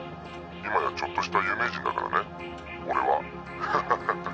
今やちょっとした有名人だからね俺は」